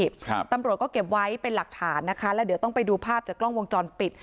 ครับตำรวจก็เก็บไว้เป็นหลักฐานนะคะแล้วเดี๋ยวต้องไปดูภาพจากกล้องวงจรปิด